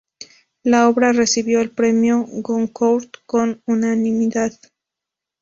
La obra recibió el premio Goncourt por unanimidad.